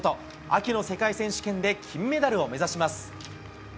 秋の世界選手権で、金メダルを目指します。